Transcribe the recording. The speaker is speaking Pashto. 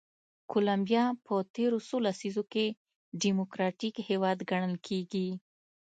کولمبیا په تېرو څو لسیزو کې ډیموکراتیک هېواد ګڼل کېږي.